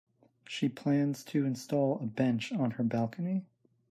She plans to install a bench on her balcony.